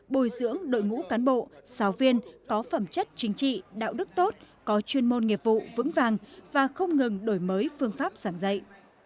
bồi dưỡng đội ngũ cán bộ giáo viên có phẩm chất chính trị đạo đức tốt có chuyên môn nghiệp vụ vững vàng và không ngừng đổi mới phương pháp giảng dạy